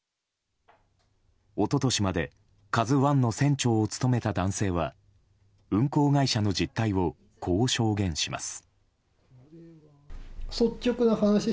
一昨年まで「ＫＡＺＵ１」の船長を務めた男性は運航会社の実態をこう証言します。